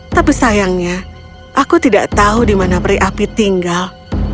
tapi sayangnya aku tidak tahu di mana peri api tinggal